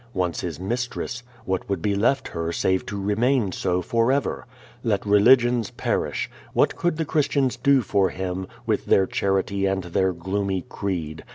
Once his mistress, what would be left her save to remain so forever? Let religions perish. Wliat could the Christians do for him, with their charity and their gloomy creed?